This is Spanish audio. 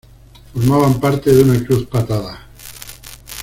Formaban parte de una cruz patada.